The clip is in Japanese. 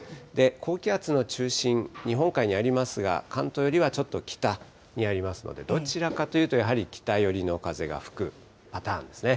高気圧の中心、日本海にありますが、関東よりはちょっと北にありますので、どちらかというとやはり北寄りの風が吹くパターンですね。